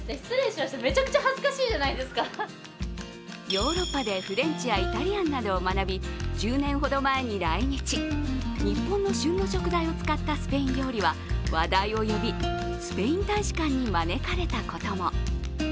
ヨーロッパで、フレンチやイタリアンなどを学び１０年ほど前に来日、日本の旬の食材を使ったスペイン料理は話題を呼び、スペイン大使館に招かれたことも。